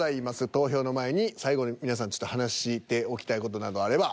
投票の前に最後に皆さんちょっと話しておきたい事などあれば。